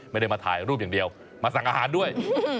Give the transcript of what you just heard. ไม่ได้มาถ่ายรูปอย่างเดียวมาสั่งอาหารด้วย